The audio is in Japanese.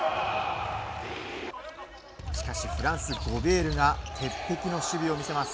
しかしフランス、ゴベールが鉄壁の守備を見せます。